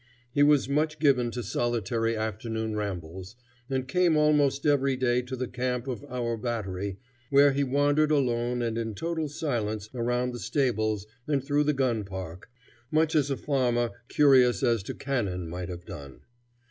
He was much given to solitary afternoon rambles, and came almost every day to the camp of our battery, where he wandered alone and in total silence around the stables and through the gun park, much as a farmer curious as to cannon might have done.